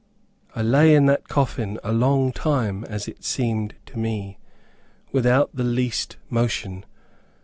I lay in that coffin a long time, as it seemed to me, without the least motion.